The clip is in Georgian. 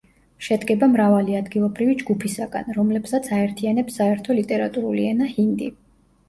შედგება მრავალი ადგილობრივი ჯგუფისაგან, რომლებსაც აერთიანებს საერთო ლიტერატურული ენა ჰინდი.